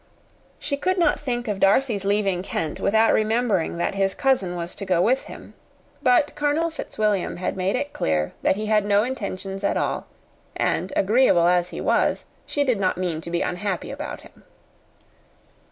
She could not think of Darcy's leaving Kent without remembering that his cousin was to go with him; but Colonel Fitzwilliam had made it clear that he had no intentions at all, and, agreeable as he was, she did not mean to be unhappy about him.